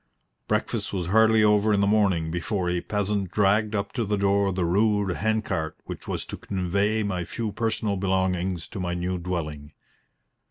Breakfast was hardly over in the morning before a peasant dragged up to the door the rude hand cart which was to convey my few personal belongings to my new dwelling.